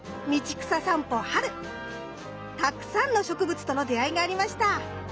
たくさんの植物との出会いがありました。